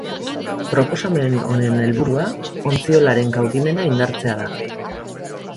Proposamen honen helburua ontziolaren kaudimena indartzea da.